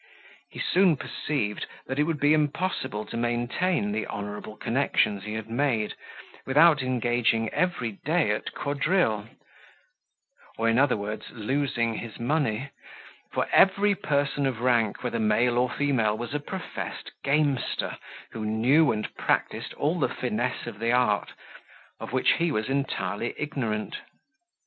He soon perceived that it would be impossible to maintain the honourable connections he had made, without engaging every day at quadrille, or, in other words, losing his money; for every person of rank, whether male or female, was a professed gamester, who knew and practised all the finesse of the art, of which he was entirely ignorant.